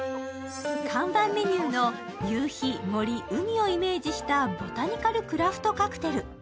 看板メニューの夕日、森、海をイメージしたボタニカルクラフトカクテル。